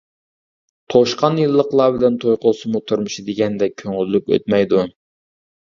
توشقان يىللىقلار بىلەن توي قىلسىمۇ تۇرمۇشى دېگەندەك كۆڭۈللۈك ئۆتمەيدۇ.